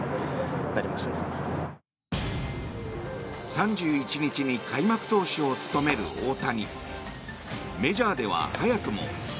３１日に開幕投手を務める大谷。